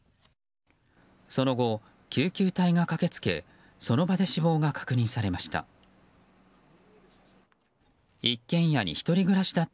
その後、救急隊が駆けつけその場で死亡が確認されました。